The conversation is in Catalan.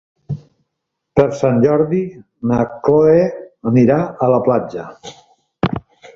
Per Sant Jordi na Chloé anirà a la platja.